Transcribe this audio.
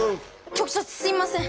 局長すいません。